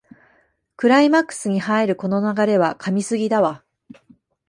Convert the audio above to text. クライマックスに入るこの流れは神すぎだわ